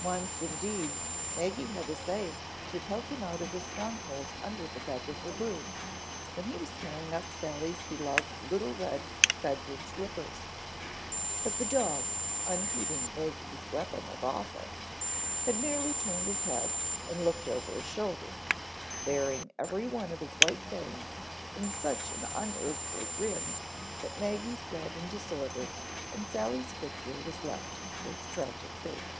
Once, indeed, Maggie had essayed to poke him out of his stronghold under the bed with her broom, when he was tearing up Sally's beloved little red bedroom slippers. But the dog, unheeding Maggie's weapon of offense, had merely turned his head and looked over his shoulder, baring every one of his white fangs in such an unearthly grin that Maggie fled in disorder and Sally's footgear was left to its tragic fate.